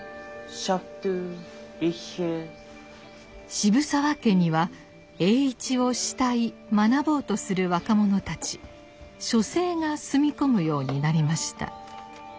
渋沢家には栄一を慕い学ぼうとする若者たち書生が住み込むようになりました。